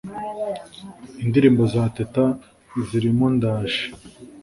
Indirimbo za Teta zirimo ‘Ndaje’